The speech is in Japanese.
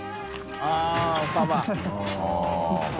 あっパパ。